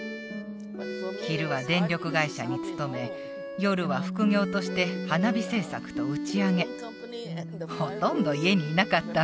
昼は電力会社に勤め夜は副業として花火制作と打ち上げほとんど家にいなかった